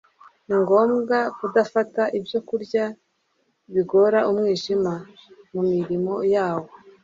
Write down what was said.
Ningombwa Kudafata ibyo kurya bigora umwijima mu mirimo yawo